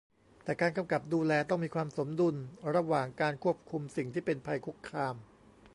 แต่การกำกับดูแลต้องมีความสมดุลระหว่างการควบคุมสิ่งที่เป็นภัยคุกคาม